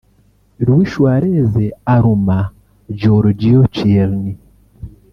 Luis Suarez aruma Giorgio Chiellini